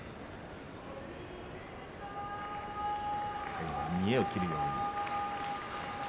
最後、見得を切るように。